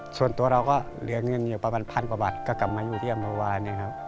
ส่วนตัวเราก็เหลือเงินอยู่ประมาณ๑๐๐๐บาทก็กลับมาอยู่ที่อำรวาลเองครับ